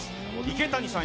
池谷さん